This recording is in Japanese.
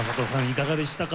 いかがでしたか？